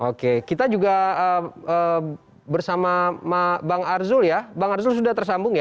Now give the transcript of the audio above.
oke kita juga bersama bang arzul ya bang arzul sudah tersambung ya